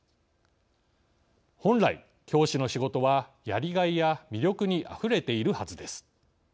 本来、教師の仕事はやりがいや魅力にあふれているはずです。